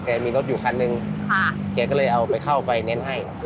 มีรถอยู่คันหนึ่งแกก็เลยเอาไปเข้าไปเน้นให้